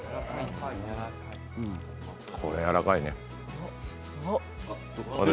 これやらかいね。